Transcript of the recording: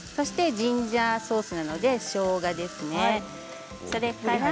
ジンジャーソースなのでしょうがですね。